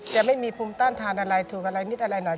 ไม่มีภูมิต้านทานอะไรถูกอะไรนิดอะไรหน่อย